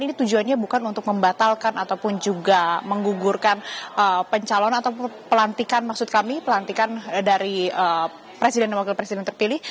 ini tujuannya bukan untuk membatalkan ataupun juga menggugurkan pencalonan atau pelantikan maksud kami pelantikan dari presiden dan wakil presiden terpilih